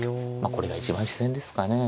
これが一番自然ですかね。